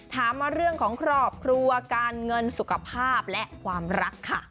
ถามมาเรื่องของครอบครัวการเงินสุขภาพและความรักค่ะ